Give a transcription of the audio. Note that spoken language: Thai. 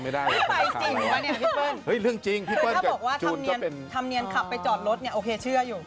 ไปจริงหรือเปล่าพี่เปิ้ลถ้าบอกว่าธรรมเนียนขับไปจอดรถโอเคเชื่ออยู่